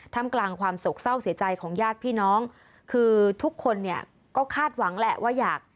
ทำกลางความโศกเศร้าเสียใจของญาติพี่น้องคือทุกคนเนี่ยก็คาดหวังแหละว่าอยาก